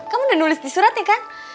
kamu udah nulis di surat ya kan